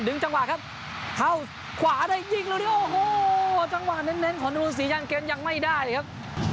ดึงจังหวะครับเข้าขวาได้ยิงแล้วนี่โอ้โหจังหวะแน่นของนูรูลสีย่างเกมยังไม่ได้ครับ